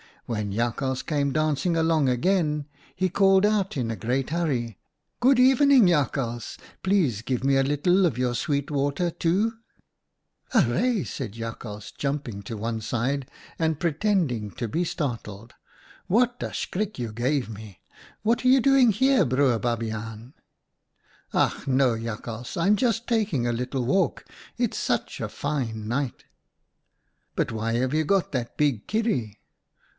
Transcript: When Jakhals came dancing along again, he called out in a great hurry, ■ Good evening, Jakhals ! Please give me a little of your sweet water, too!' "' Arre" !' said Jakhals, jumping to one side and pretending to be startled. 'What a schrik you gave me ! What are you doing here, Broer Babiaan ?'"' Ach no ! Jakhals, I'm just taking a little walk. It's such a fine night.' "' But why have you got that big kierie